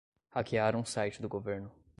Hackearam o site do governo